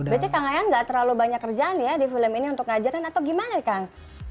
berarti kang ayan gak terlalu banyak kerjaan ya di film ini untuk ngajarin atau gimana kang